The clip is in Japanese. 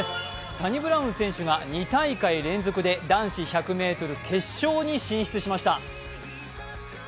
サニブラウン選手が２大会連続で男子１００ｍ決勝に進出しました。